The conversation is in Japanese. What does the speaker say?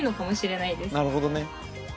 なるほどね。